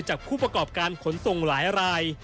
ผู้ประกอบการขนส่งหลายราย